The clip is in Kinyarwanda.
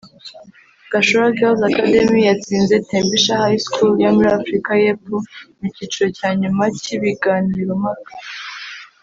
Gashora Girls’Academy yatsinze Tembisha High School yo muri Afurika y’Epfo mu cyiciro cya nyuma cy’ibiganirompaka